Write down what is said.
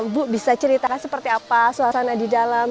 ibu bisa ceritakan seperti apa suasana di dalam